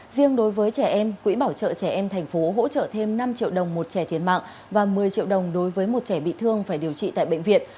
riêng đối với trẻ em quỹ bảo trợ trẻ em thành phố hỗ trợ thêm năm triệu đồng một trẻ thiệt mạng và một mươi triệu đồng đối với một trẻ bị thương phải điều trị tại bệnh viện